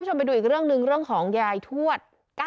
จะวิดีโอไปดูอีกเรื่องนึงเรื่องของยายทวด